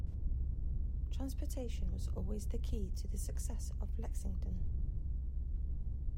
Transportation was always the key to the success of Lexington.